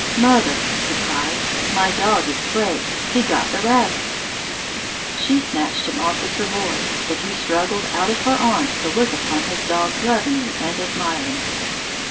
"Mother!" he cried, "my dog is brave: he got the rabbit!" She snatched him off the travois, but he struggled out of her arms to look upon his dog lovingly and admiringly.